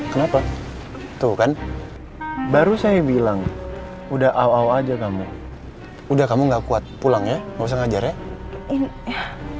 kenapa tuh kan baru saya bilang udah aw aw aja kamu udah kamu nggak kuat pulang ya nggak usah ngajar ya